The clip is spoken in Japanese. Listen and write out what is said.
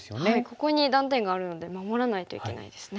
ここに断点があるので守らないといけないですね。